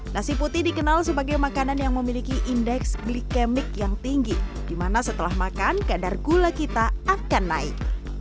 nasi putih dikenal sebagai makanan yang memiliki indeks glikemik yang tinggi di mana setelah makan kadar gula kita akan naik